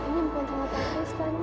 nyimpun sama pak tristan